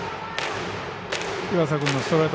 岩佐君のストレート